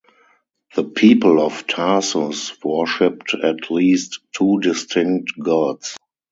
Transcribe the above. The people of Tarsus worshipped at least two distinct gods.